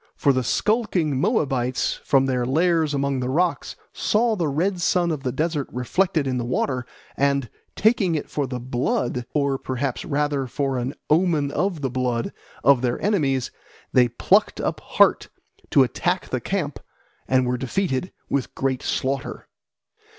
For the skulking Moabites from their lairs among the rocks saw the red sun of the desert reflected in the water, and taking it for the blood, or perhaps rather for an omen of the blood, of their enemies, they plucked up heart to attack the camp and were defeated with great slaughter.